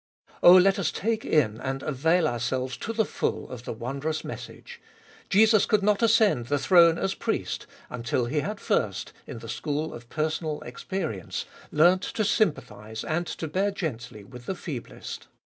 Oh, let us take in and avail ourselves to the full of the wondrous message : Jesus could not ascend the throne as Priest, until He had first, in the school of personal experience, learnt to sympathise and to bear gently with the feeblest.